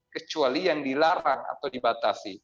kecuali yang dilarang atau dibatasi